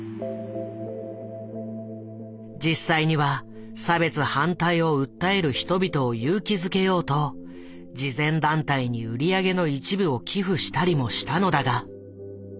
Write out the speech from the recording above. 実際には差別反対を訴える人々を勇気づけようと慈善団体に売り上げの一部を寄付したりもしたのだが。